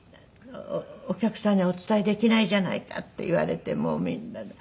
「お客さんにお伝えできないじゃないか」って言われてもうみんなで。